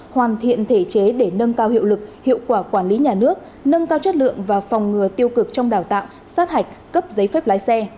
hoàn thiện thể chế để nâng cao hiệu lực hiệu quả quản lý nhà nước nâng cao chất lượng và phòng ngừa tiêu cực trong đào tạo sát hạch cấp giấy phép lái xe